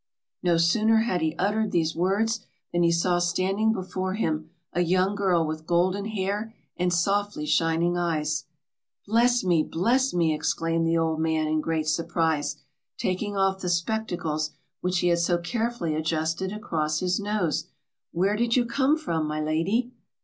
No sooner had he uttered these words than he saw standing before him a young girl with golden hair and softly shining eyes. "Bless me! bless me!" exclaimed the old man, in great surprise, taking off the spectacles which he had so carefully adjusted across his nose, "where did you come from, my lady?"